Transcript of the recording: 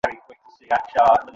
ঐ রাতেও তো তালাবন্ধ ছিল।